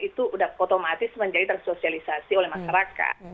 itu sudah otomatis menjadi tersosialisasi oleh masyarakat